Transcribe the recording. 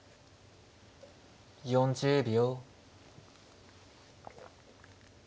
４０秒。